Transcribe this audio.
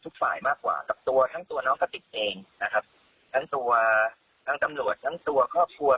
การฆ่าตัวตายผมว่ามันไม่น่าสมควร